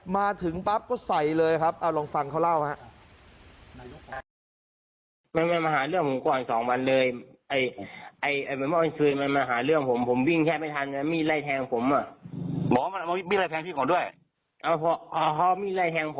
มาถึงปั๊บก็ใส่เลยครับเอาลองฟังเขาเล่าครับ